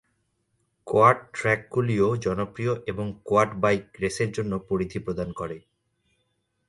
Quad ট্র্যাকগুলিও জনপ্রিয় এবং কোয়াড বাইক রেসের জন্য পরিধি প্রদান করে।